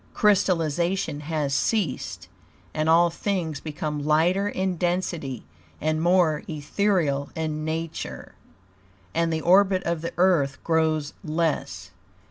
Crystallization has ceased; and all things become lighter in density and more ethereal in nature; AND THE ORBIT OF THE EARTH GROWS LESS.